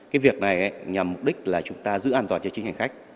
cái việc này nhằm mục đích là chúng ta giữ an toàn cho chính hành khách